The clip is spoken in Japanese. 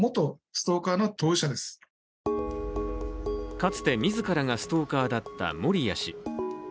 かつて自らがストーカーだった守屋氏。